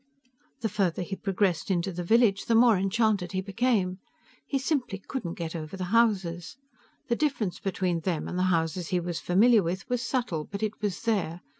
The farther he progressed into the village, the more enchanted he became. He simply couldn't get over the houses. The difference between them and the houses he was familiar with was subtle, but it was there.